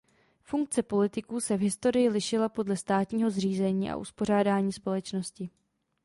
Funkce politiků se v historii lišila podle státního zřízení a uspořádání společnosti.